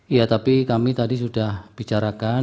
iya tapi kami tadi sudah bicarakan